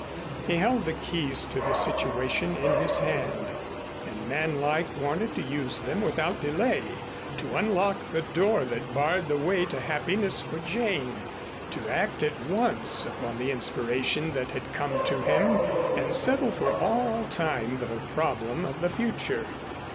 He held the keys to the situation in his hand, and manlike wanted to use them without delay, to unlock the door that barred the way to happiness for Jane, to act at once upon the inspiration that had come to him and settle for all time the problem of the future.